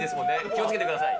気をつけてください。